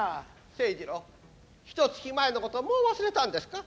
清二郎ひとつき前のこともう忘れたんですか。